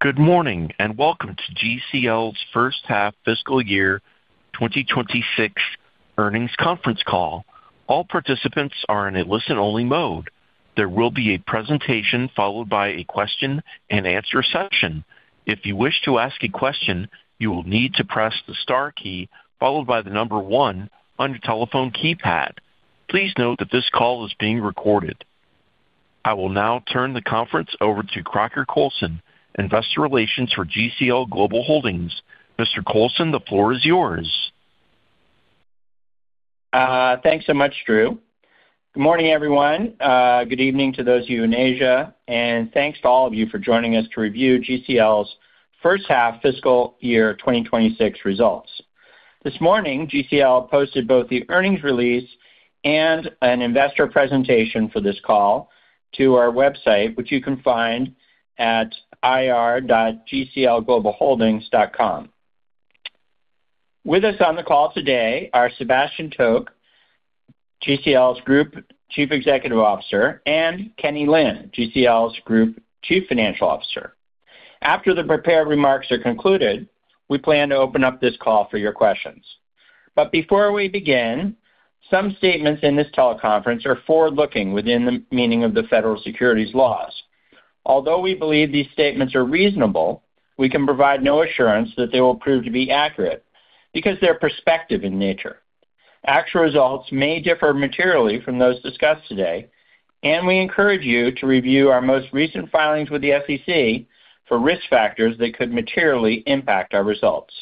Good morning, and welcome to GCL's first half fiscal year 2026 earnings conference call. All participants are in a listen-only mode. There will be a presentation followed by a question-and-answer session. If you wish to ask a question, you will need to press the star key followed by the number one on your telephone keypad. Please note that this call is being recorded. I will now turn the conference over to Crocker Coulson, Investor Relations for GCL Global Holdings. Mr. Coulson, the floor is yours. Thanks so much, Drew. Good morning, everyone. Good evening to those of you in Asia, and thanks to all of you for joining us to review GCL's first half fiscal year 2026 results. This morning, GCL posted both the earnings release and an investor presentation for this call to our website, which you can find at ir.gclglobalholdings.com. With us on the call today are Sebastian Tok, GCL's Group Chief Executive Officer, and Kenny Lin, GCL's Group Chief Financial Officer. After the prepared remarks are concluded, we plan to open up this call for your questions. Before we begin, some statements in this teleconference are forward-looking within the meaning of the federal securities laws. Although we believe these statements are reasonable, we can provide no assurance that they will prove to be accurate because they are prospective in nature. Actual results may differ materially from those discussed today, and we encourage you to review our most recent filings with the SEC for risk factors that could materially impact our results.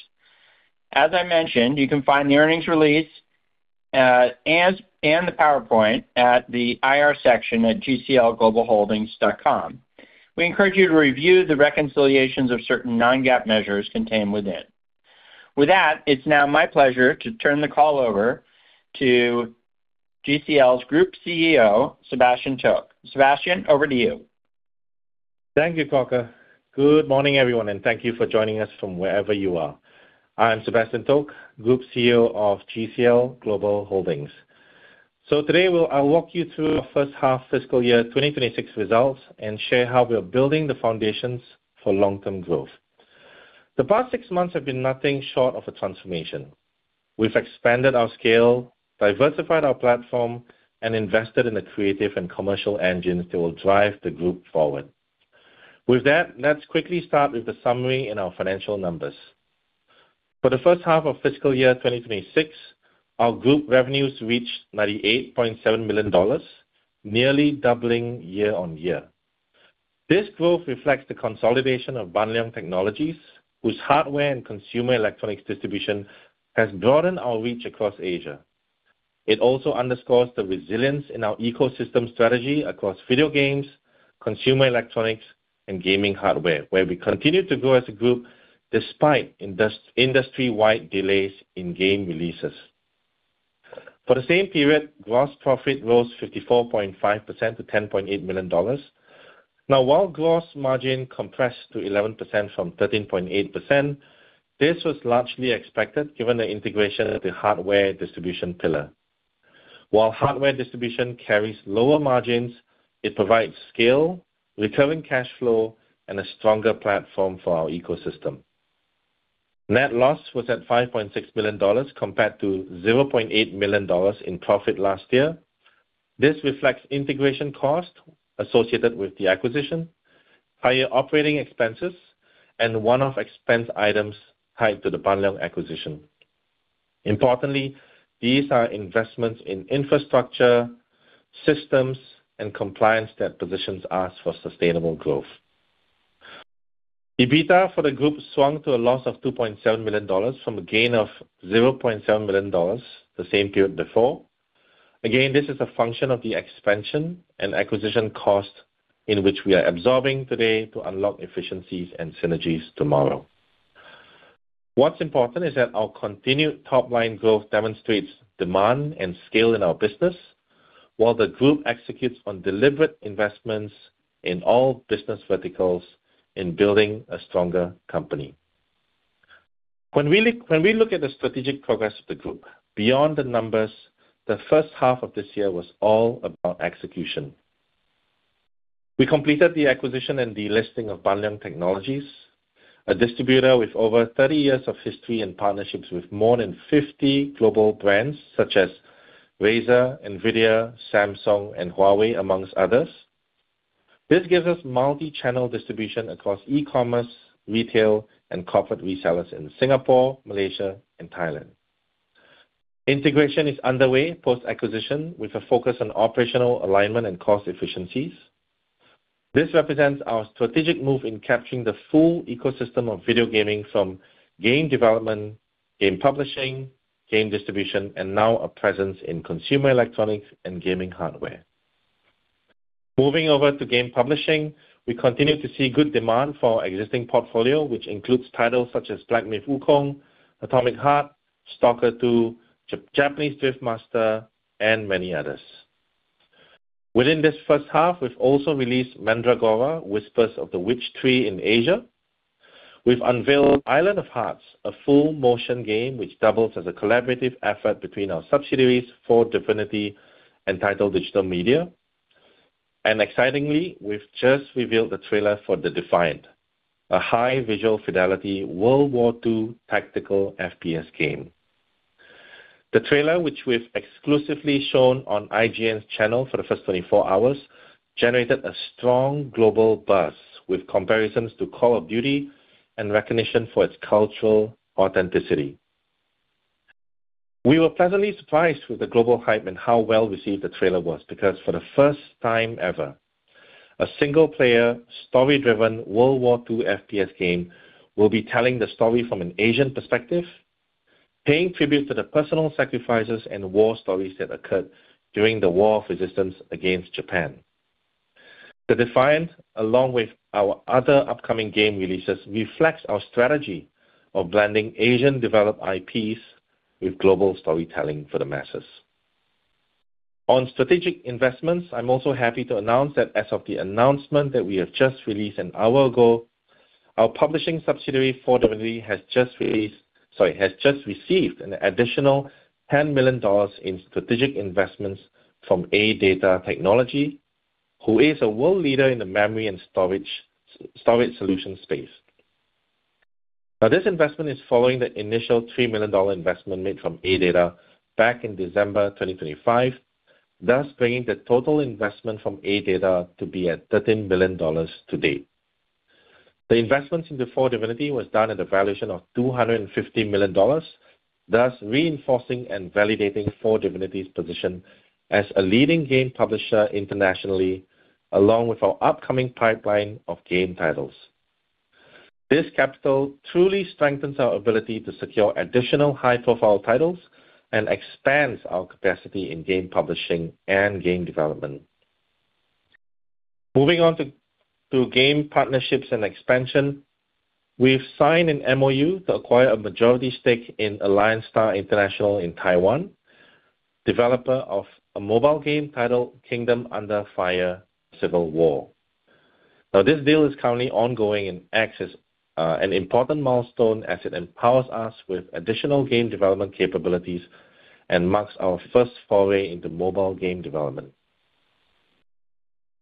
As I mentioned, you can find the earnings release, and the PowerPoint at the IR section at gclglobalholdings.com. We encourage you to review the reconciliations of certain non-GAAP measures contained within. With that, it's now my pleasure to turn the call over to GCL's Group CEO, Sebastian Tok. Sebastian, over to you. Thank you, Crocker. Good morning, everyone, and thank you for joining us from wherever you are. I'm Sebastian Tok, Group CEO of GCL Global Holdings. Today, I'll walk you through our first half fiscal year 2026 results and share how we are building the foundations for long-term growth. The past six months have been nothing short of a transformation. We've expanded our scale, diversified our platform, and invested in the creative and commercial engines that will drive the group forward. With that, let's quickly start with the summary and our financial numbers. For the first half of fiscal year 2026, our group revenues reached $98.7 million, nearly doubling year-on-year. This growth reflects the consolidation of Ban Leong Technologies, whose hardware and consumer electronics distribution has broadened our reach across Asia. It also underscores the resilience in our ecosystem strategy across video games, consumer electronics, and gaming hardware, where we continue to grow as a group despite industry-wide delays in game releases. For the same period, gross profit rose 54.5% to $10.8 million. Now, while gross margin compressed to 11% from 13.8%, this was largely expected, given the integration of the hardware distribution pillar. While hardware distribution carries lower margins, it provides scale, recurring cash flow, and a stronger platform for our ecosystem. Net loss was at $5.6 million, compared to $0.8 million in profit last year. This reflects integration costs associated with the acquisition, higher operating expenses, and one-off expense items tied to the Ban Leong acquisition. Importantly, these are investments in infrastructure, systems, and compliance that positions us for sustainable growth. EBITDA for the group swung to a loss of $2.7 million from a gain of $0.7 million the same period before. Again, this is a function of the expansion and acquisition costs in which we are absorbing today to unlock efficiencies and synergies tomorrow. What's important is that our continued top-line growth demonstrates demand and scale in our business, while the group executes on deliberate investments in all business verticals in building a stronger company. When we look at the strategic progress of the group beyond the numbers, the first half of this year was all about execution. We completed the acquisition and delisting of Ban Leong Technologies, a distributor with over 30 years of history and partnerships with more than 50 global brands, such as Razer, NVIDIA, Samsung, and Huawei, amongst others. This gives us multi-channel distribution across e-commerce, retail, and corporate resellers in Singapore, Malaysia, and Thailand. Integration is underway post-acquisition, with a focus on operational alignment and cost efficiencies. This represents our strategic move in capturing the full ecosystem of video gaming from game development, game publishing, game distribution, and now a presence in consumer electronics and gaming hardware. Moving over to game publishing, we continue to see good demand for our existing portfolio, which includes titles such as Black Myth: Wukong, Atomic Heart, S.T.A.L.K.E.R. 2, Japanese Drift Master, and many others. Within this first half, we've also released Mandragora, Whispers of the Witch Tree in Asia. We've unveiled Island of Hearts, a full motion game which doubles as a collaborative effort between our subsidiaries, 4Divinity and Titan Digital Media. Excitingly, we've just revealed the trailer for The Defiant, a high visual fidelity, World War II tactical FPS game. The trailer, which we've exclusively shown on IGN's channel for the first 24 hours, generated a strong global buzz, with comparisons to Call of Duty and recognition for its cultural authenticity. We were pleasantly surprised with the global hype and how well-received the trailer was, because for the first time ever, a single-player, story-driven, World War II FPS game will be telling the story from an Asian perspective, paying tribute to the personal sacrifices and war stories that occurred during the war of resistance against Japan. The Defiant, along with our other upcoming game releases, reflects our strategy of blending Asian-developed IPs with global storytelling for the masses. On strategic investments, I'm also happy to announce that as of the announcement that we have just released an hour ago, our publishing subsidiary, 4Divinity, has just received an additional $10 million in strategic investments from ADATA Technology, who is a world leader in the memory and storage solution space. Now, this investment is following the initial $3 million investment made from ADATA back in December 2025, thus bringing the total investment from ADATA to be at $13 million to date. The investments into 4Divinity was done at a valuation of $250 million, thus reinforcing and validating 4Divinity's position as a leading game publisher internationally, along with our upcoming pipeline of game titles. This capital truly strengthens our ability to secure additional high-profile titles and expands our capacity in game publishing and game development. Moving on to game partnerships and expansion, we've signed an MOU to acquire a majority stake in Alliance-Star International in Taiwan, developer of a mobile game titled Kingdom Under Fire: Civil War. Now, this deal is currently ongoing and acts as an important milestone as it empowers us with additional game development capabilities and marks our first foray into mobile game development.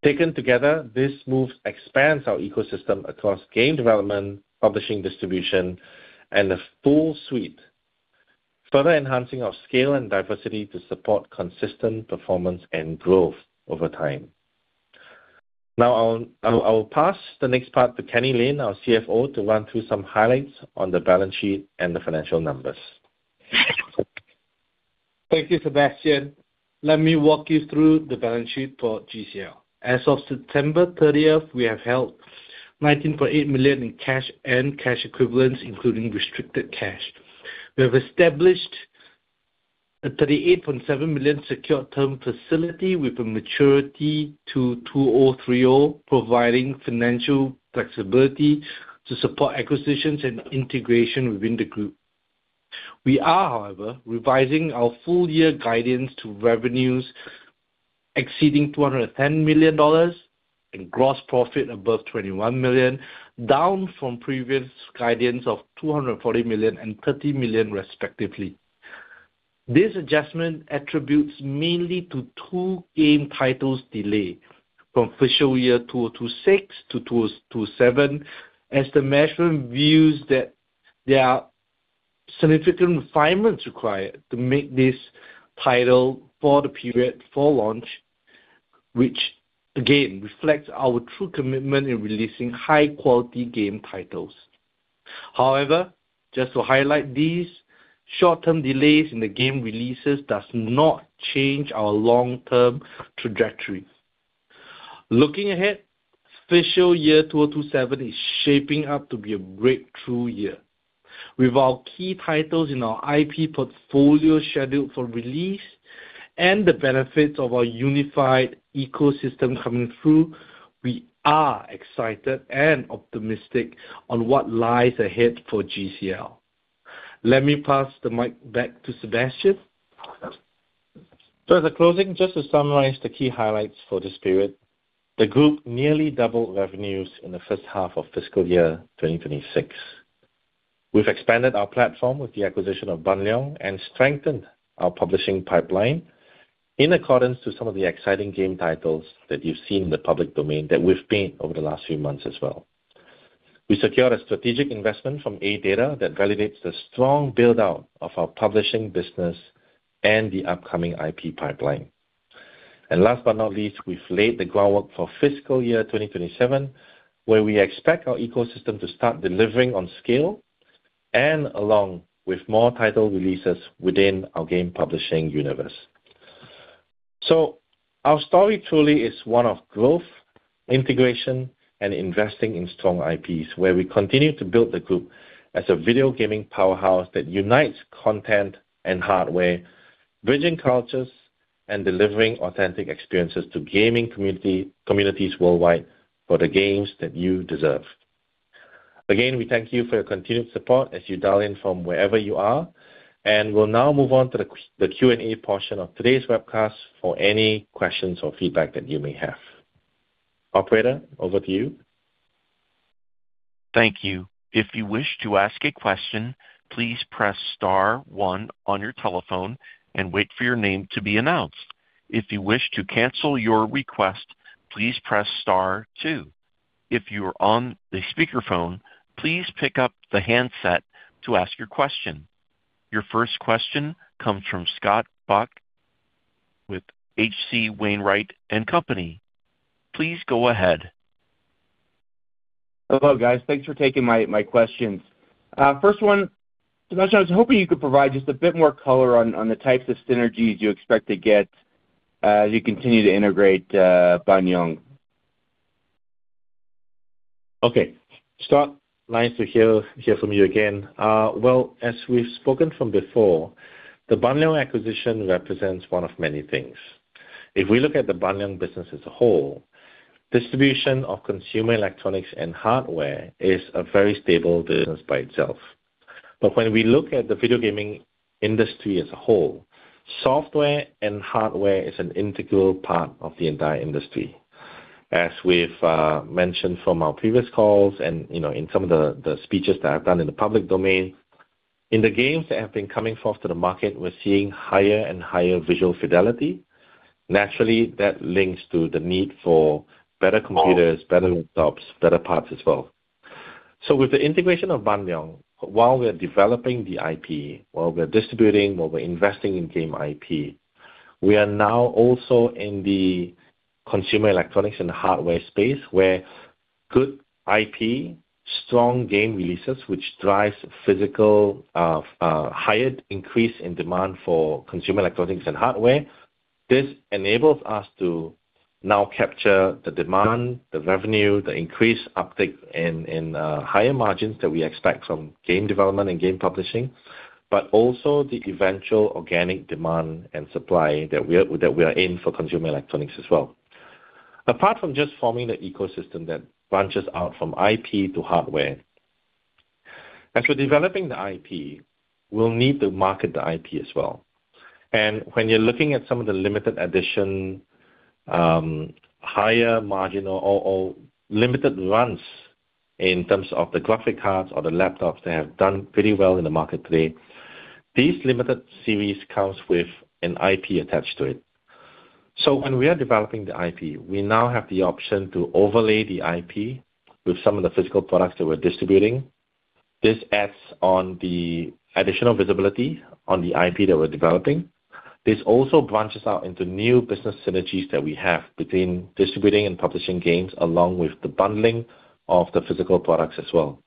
Taken together, this move expands our ecosystem across game development, publishing, distribution, and a full suite, further enhancing our scale and diversity to support consistent performance and growth over time. Now, I'll pass the next part to Kenny Lin, our CFO, to run through some highlights on the balance sheet and the financial numbers. Thank you, Sebastian. Let me walk you through the balance sheet for GCL. As of September 30th, we have held $19.8 million in cash and cash equivalents, including restricted cash. We have established a $38.7 million secured term facility with a maturity to 2030, providing financial flexibility to support acquisitions and integration within the group. We are, however, revising our full year guidance to revenues exceeding $210 million and gross profit above $21 million, down from previous guidance of $240 million and $30 million respectively. This adjustment attributes mainly to two game titles delay from fiscal year 2026 to 2027, as the management views that there are significant refinements required to make this title for the period for launch, which again, reflects our true commitment in releasing high-quality game titles. However, just to highlight these, short-term delays in the game releases does not change our long-term trajectory. Looking ahead, fiscal year 2027 is shaping up to be a breakthrough year. With our key titles in our IP portfolio scheduled for release and the benefits of our unified ecosystem coming through, we are excited and optimistic on what lies ahead for GCL. Let me pass the mic back to Sebastian. So as a closing, just to summarize the key highlights for this period. The group nearly doubled revenues in the first half of fiscal year 2026. We've expanded our platform with the acquisition of Ban Leong and strengthened our publishing pipeline in accordance to some of the exciting game titles that you've seen in the public domain that we've made over the last few months as well. We secured a strategic investment from ADATA that validates the strong build-out of our publishing business and the upcoming IP pipeline. And last but not least, we've laid the groundwork for fiscal year 2027, where we expect our ecosystem to start delivering on scale and along with more title releases within our game publishing universe. So our story truly is one of growth, integration, and investing in strong IPs, where we continue to build the group as a video gaming powerhouse that unites content and hardware, bridging cultures and delivering authentic experiences to gaming communities worldwide for the games that you deserve. Again, we thank you for your continued support as you dial in from wherever you are, and we'll now move on to the Q&A portion of today's webcast for any questions or feedback that you may have... Operator, over to you. Thank you. If you wish to ask a question, please press star one on your telephone and wait for your name to be announced. If you wish to cancel your request, please press star two. If you are on the speakerphone, please pick up the handset to ask your question. Your first question comes from Scott Buck with H.C. Wainwright & Co. Please go ahead. Hello, guys. Thanks for taking my questions. First one, Sebastian, I was hoping you could provide just a bit more color on the types of synergies you expect to get as you continue to integrate Ban Leong. Okay. Scott, nice to hear from you again. Well, as we've spoken from before, the Ban Leong acquisition represents one of many things. If we look at the Ban Leong business as a whole, distribution of consumer electronics and hardware is a very stable business by itself. But when we look at the video gaming industry as a whole, software and hardware is an integral part of the entire industry. As we've mentioned from our previous calls and, you know, in some of the speeches that I've done in the public domain, in the games that have been coming forth to the market, we're seeing higher and higher visual fidelity. Naturally, that links to the need for better computers, better laptops, better parts as well. So with the integration of Ban Leong, while we are developing the IP, while we're distributing, while we're investing in game IP, we are now also in the consumer electronics and hardware space, where good IP, strong game releases, which drives physical higher increase in demand for consumer electronics and hardware. This enables us to now capture the demand, the revenue, the increased uptick in higher margins that we expect from game development and game publishing, but also the eventual organic demand and supply that we are, that we are in for consumer electronics as well. Apart from just forming the ecosystem that branches out from IP to hardware, as we're developing the IP, we'll need to market the IP as well. When you're looking at some of the limited edition, higher margin or limited runs in terms of the graphic cards or the laptops, they have done pretty well in the market today. These limited series comes with an IP attached to it. So when we are developing the IP, we now have the option to overlay the IP with some of the physical products that we're distributing. This adds on the additional visibility on the IP that we're developing. This also branches out into new business synergies that we have between distributing and publishing games, along with the bundling of the physical products as well.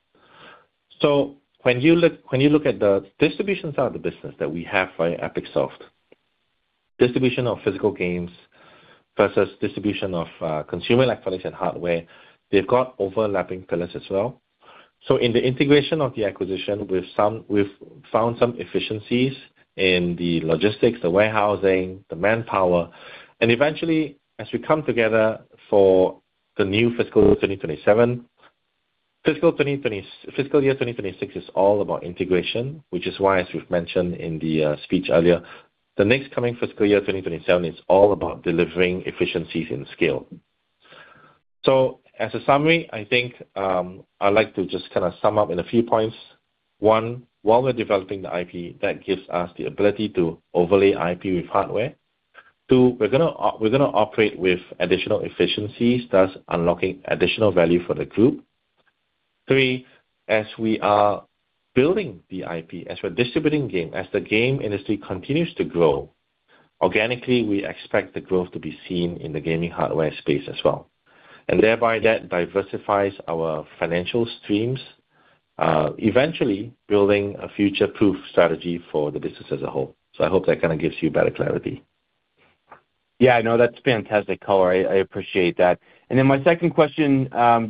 So when you look at the distribution side of the business that we have for Epicsoft, distribution of physical games versus distribution of consumer electronics and hardware, they've got overlapping pillars as well. So in the integration of the acquisition, we've found some efficiencies in the logistics, the warehousing, the manpower, and eventually, as we come together for the new fiscal 2027... fiscal year 2026 is all about integration, which is why, as we've mentioned in the speech earlier, the next coming fiscal year 2027 is all about delivering efficiencies in scale. So as a summary, I think, I'd like to just kind of sum up in a few points. One, while we're developing the IP, that gives us the ability to overlay IP with hardware. Two, we're gonna operate with additional efficiencies, thus unlocking additional value for the group. Three, as we are building the IP, as we're distributing game, as the game industry continues to grow, organically, we expect the growth to be seen in the gaming hardware space as well, and thereby that diversifies our financial streams, eventually building a future-proof strategy for the business as a whole. So I hope that kind of gives you better clarity. Yeah, no, that's fantastic color. I appreciate that. And then my second question,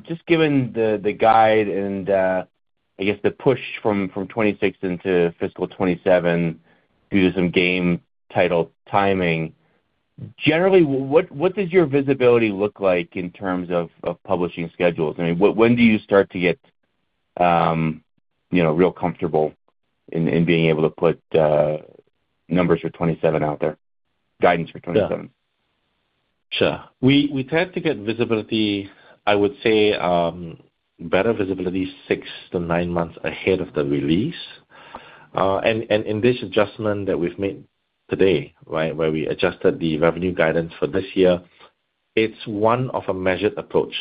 just given the guide and, I guess the push from 2026 into fiscal 2027 due to some game title timing, generally, what does your visibility look like in terms of publishing schedules? I mean, when do you start to get, you know, real comfortable in being able to put numbers for 2027 out there, guidance for 2027? Sure. We tend to get visibility, I would say, better visibility 6-9 months ahead of the release. And in this adjustment that we've made today, right, where we adjusted the revenue guidance for this year, it's one of a measured approach.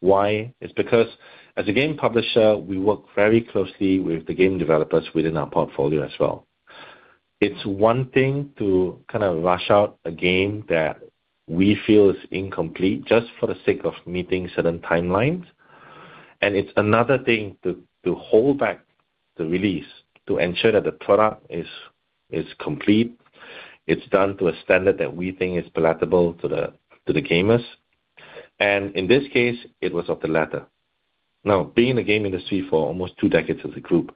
Why? It's because as a game publisher, we work very closely with the game developers within our portfolio as well. It's one thing to kind of rush out a game that we feel is incomplete, just for the sake of meeting certain timelines, and it's another thing to hold back the release to ensure that the product is complete, it's done to a standard that we think is palatable to the gamers. And in this case, it was of the latter. Now, being in the game industry for almost two decades as a group,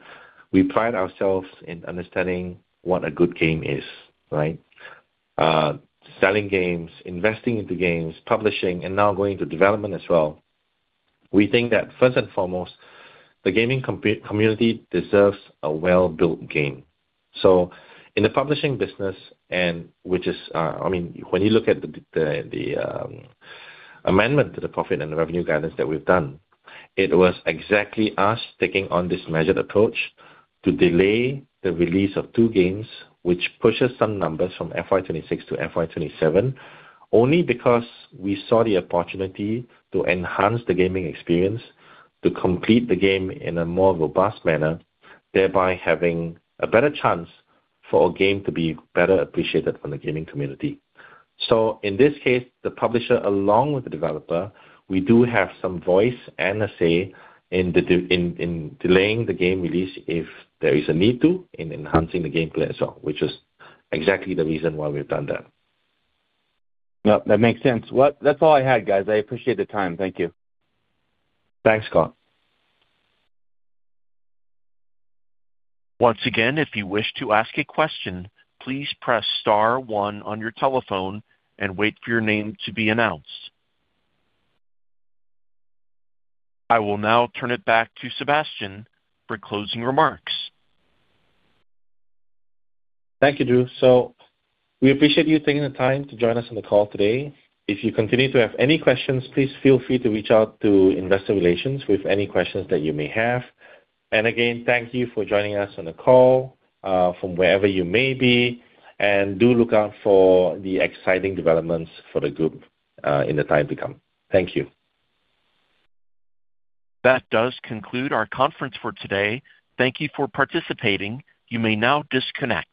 we pride ourselves in understanding what a good game is, right? Selling games, investing into games, publishing, and now going to development as well. We think that first and foremost, the gaming community deserves a well-built game. So in the publishing business, and which is, I mean, when you look at the amendment to the profit and the revenue guidance that we've done, it was exactly us taking on this measured approach to delay the release of two games, which pushes some numbers from FY 2026 to FY 2027, only because we saw the opportunity to enhance the gaming experience, to complete the game in a more robust manner, thereby having a better chance for our game to be better appreciated from the gaming community. So in this case, the publisher, along with the developer, we do have some voice and a say in delaying the game release if there is a need to, in enhancing the gameplay as well, which is exactly the reason why we've done that. Yep, that makes sense. Well, that's all I had, guys. I appreciate the time. Thank you. Thanks, Scott. Once again, if you wish to ask a question, please press star one on your telephone and wait for your name to be announced. I will now turn it back to Sebastian for closing remarks. Thank you, Drew. We appreciate you taking the time to join us on the call today. If you continue to have any questions, please feel free to reach out to investor relations with any questions that you may have. Again, thank you for joining us on the call from wherever you may be, and do look out for the exciting developments for the group in the time to come. Thank you. That does conclude our conference for today. Thank you for participating. You may now disconnect.